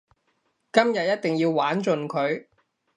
今日一定要玩盡佢